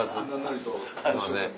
すいません。